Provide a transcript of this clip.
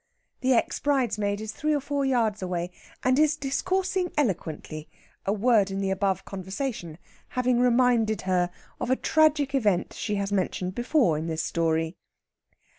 The ex bridesmaid is three or four yards away, and is discoursing eloquently, a word in the above conversation having reminded her of a tragic event she has mentioned before in this story.